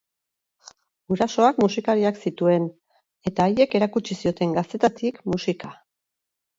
Gurasoak musikariak zituen, eta haiek erakutsi zioten gaztetatik musika.